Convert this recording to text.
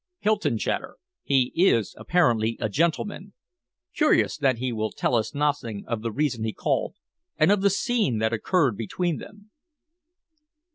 "Hylton Chater. He is apparently a gentleman. Curious that he will tell us nothing of the reason he called, and of the scene that occurred between them."